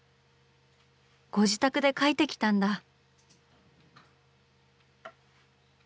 ご自宅で描いてきたんだ。